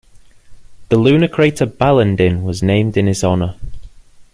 The lunar crater Balandin was named in his honour.